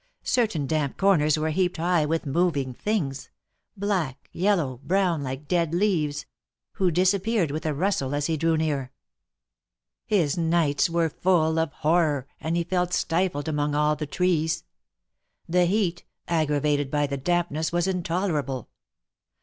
Certain damp corners were heaped high with moving things — black, yellow, brown, like dead leaves — who disappeared with a rustle as he drew near. His nights were full of horror, and he felt stifled among all the trees. The heat, aggra vated by the dampness, was intolerable.